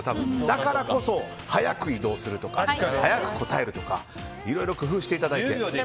だからこそ、早く移動するとか早く答えるとかいろいろ工夫していただいて。